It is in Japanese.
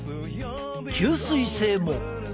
吸水性も。